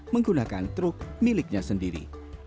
menggunakan truk miliknya sendiri